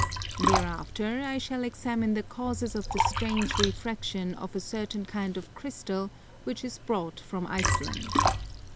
Thereafter I shall examine the causes of the strange refraction of a certain kind of Crystal which is brought from Iceland.